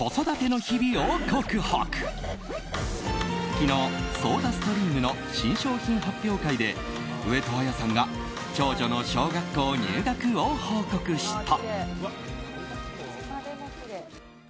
昨日、ソーダストリームの新商品発表会で上戸彩さんが長女の小学校入学を報告した。